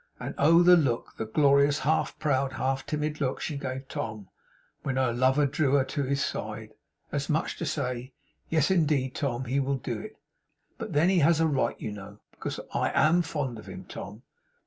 And oh, the look, the glorious, half proud, half timid look she gave Tom, when her lover drew her to his side! As much as to say, 'Yes, indeed, Tom, he will do it. But then he has a right, you know. Because I AM fond of him, Tom.